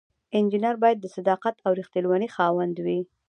انجینر باید د صداقت او ریښتینولی خاوند وي.